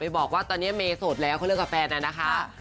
บอกว่าตอนนี้เมย์โสดแล้วเขาเลิกกับแฟนน่ะนะคะ